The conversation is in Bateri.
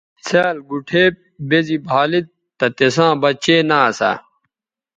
څھیال گوٹھ بے زی بھا لید تہ تِساں بچے نہ اسا۔